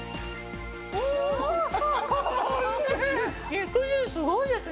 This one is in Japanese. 肉汁すごいですね。